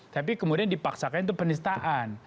tapi kemudian dipaksakan itu penistaan